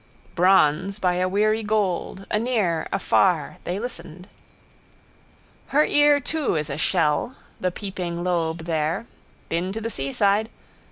Bronze by a weary gold, anear, afar, they listened. Her ear too is a shell, the peeping lobe there. Been to the seaside.